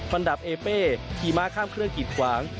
อันดับเอเป้ขี่ม้าข้ามเครื่องกิดขวาง